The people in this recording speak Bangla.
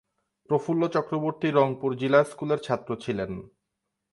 প্রফুল্ল চক্রবর্তী রংপুর জিলা স্কুলের ছাত্র ছিলেন।